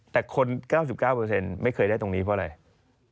แต่คน๙๙ไม่เคยได้ตรงนี้เพราะอะไร